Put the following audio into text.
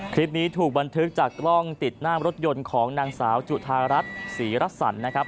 คลิปนี้ถูกบันทึกจากกล้องติดหน้ารถยนต์ของนางสาวจุธารัฐศรีรษสันนะครับ